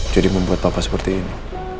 jadi membuat papa seperti ini